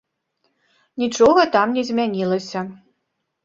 Нічога там не змянілася.